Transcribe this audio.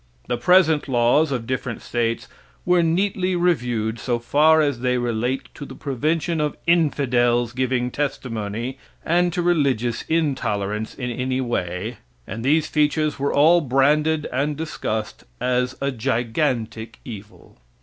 The present laws of different states were neatly reviewed, so far as they relate to the prevention of infidels giving testimony and to religious intolerance in any way, and these features were all branded and discussed as a gigantic evil.